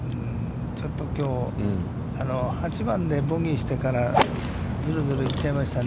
ちょっときょう、８番でボギーしてから、ずるずる行っちゃいましたね。